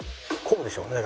こうでしょうね。